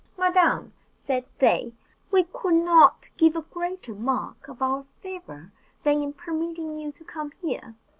"Madam," said they, "we could not give you a greater mark of our favour than in permitting you to come here.